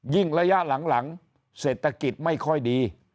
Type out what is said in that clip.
ระยะหลังเศรษฐกิจไม่ค่อยดี